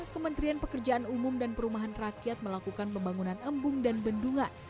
kementerian pekerjaan umum dan perumahan rakyat melakukan pembangunan embung dan bendungan